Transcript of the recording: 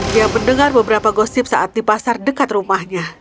dia mendengar beberapa gosip saat di pasar dekat rumahnya